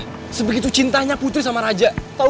hmm bisa jadi tuh bisa jadi